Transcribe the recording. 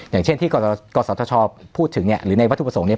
อย่างเช่นที่กศธชพูดถึงเนี่ยหรือในวัตถุประสงค์เนี่ย